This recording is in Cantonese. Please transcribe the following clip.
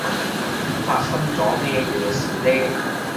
發生咗咩嘢事呢？